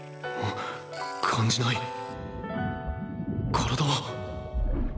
体は。